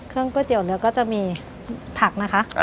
เครื่องก๋วยเตี๋ยวเรือก็จะมีผักนะคะอ่า